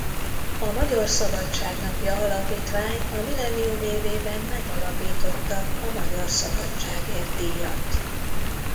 A Magyar Szabadság Napja Alapítvány a millennium évében megalapította a Magyar Szabadságért díjat.